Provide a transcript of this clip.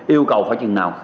yêu cầu phải chừng nào